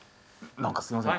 何かすいません